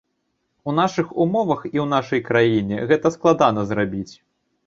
У нашых умовах і ў нашай краіне гэта складана зрабіць.